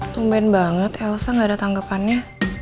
tumben banget elsa gak ada tanggapannya